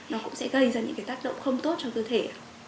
nó cũng sẽ gây ra những cái tác động không tốt cho cơ thể